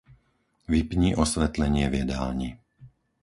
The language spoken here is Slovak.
Vypni osvetlenie v jedálni.